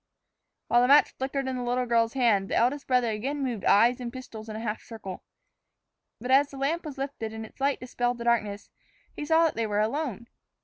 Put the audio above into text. While the match flickered in the little girl's hand, the eldest brother again moved eyes and pistols in a half circle. But as the lamp was lifted and its light dispelled the darkness, he saw that they were alone.